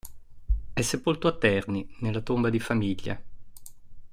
È sepolto a Terni, nella tomba di famiglia.